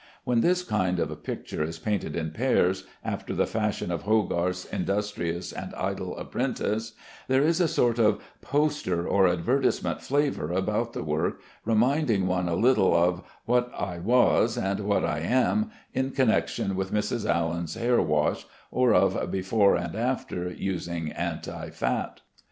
When this kind of picture is painted in pairs, after the fashion of Hogarth's "Industrious and Idle Apprentice," there is a sort of poster or advertisement flavor about the work, reminding one a little of "what I was, and what I am" in connection with Mrs. Allen's hairwash, or of "before and after using anti fat."